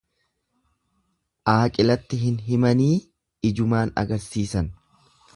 Aaqilatti hin himanii ijumaan agarsisan.